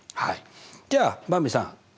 じゃあばんびさん